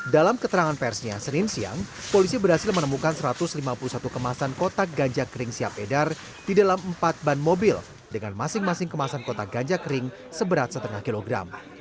dalam keterangan persnya senin siang polisi berhasil menemukan satu ratus lima puluh satu kemasan kotak ganja kering siap edar di dalam empat ban mobil dengan masing masing kemasan kotak ganja kering seberat setengah kilogram